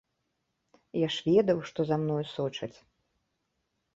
Я ж ведаў, што за мною сочаць.